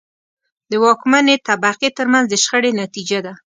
د واکمنې طبقې ترمنځ د شخړې نتیجه ده.